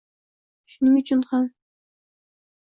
Shuning uchun ham